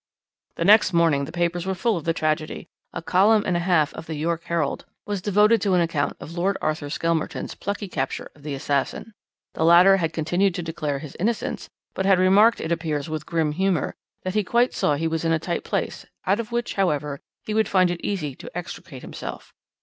"The next morning the papers were full of the tragedy; a column and a half of the York Herald was devoted to an account of Lord Arthur Skelmerton's plucky capture of the assassin. The latter had continued to declare his innocence, but had remarked, it appears, with grim humour, that he quite saw he was in a tight place, out of which, however, he would find it easy to extricate himself.